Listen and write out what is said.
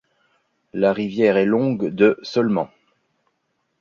La rivière est longue de seulement.